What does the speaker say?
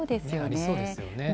ありそうですよね。